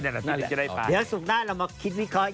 เดี๋ยวศุกร์หน้าเรามาคิดวิเคราะห์